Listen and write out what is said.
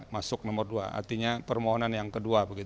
masuk nomor dua artinya permohonan yang kedua